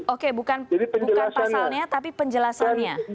oke bukan pasalnya tapi penjelasannya